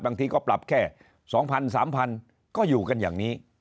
บางทีก็ปรับแค่สองพันสามพันก็อยู่กันอย่างนี้